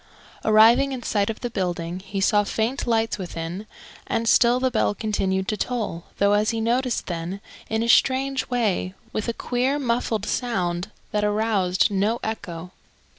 Arriving in sight of the building, he saw faint lights within; and still the bell continued to toll, though, as he noticed then, in a strange way, with a queer muffled sound that aroused no echo.